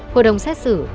hội đồng xét xử